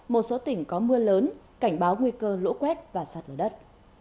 một số tỉnh có mưa lớn cảnh báo nguy cơ lũ quét và sạt lửa đất